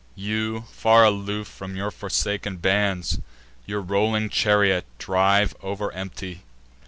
You, far aloof from your forsaken bands, Your rolling chariot drive o'er empty sands.